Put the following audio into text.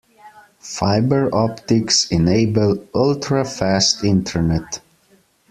Fibre optics enable ultra-fast internet.